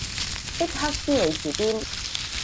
即刻知你住邊